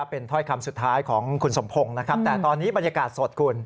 เป็นถ้อยคำสุดท้ายของคุณสมพงศ์นะครับแต่ตอนนี้บรรยากาศสดคุณ